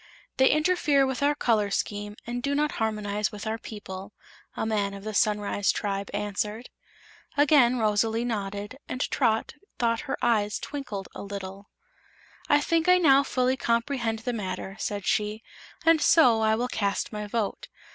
"They interfere with our color scheme, and do not harmonize with our people," a man of the Sunrise Tribe answered. Again Rosalie nodded, and Trot thought her eyes twinkled a little. "I think I now fully comprehend the matter," said she, "and so I will cast my vote.